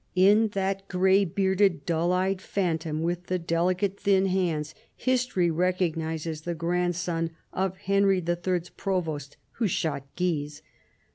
" In that grey bearded, dull eyed phantom with the delicate thin hands, history recognises the grandson of Henry the Third's provost who shot Guise."